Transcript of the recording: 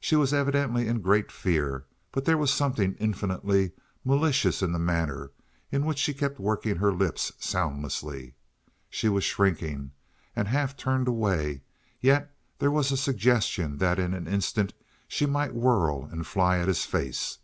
She was evidently in great fear, but there was something infinitely malicious in the manner in which she kept working her lips soundlessly. She was shrinking, and half turned away, yet there was a suggestion that in an instant she might whirl and fly at his face.